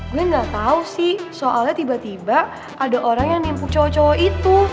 gue gak tau sih soalnya tiba tiba ada orang yang nempu cowok cowok itu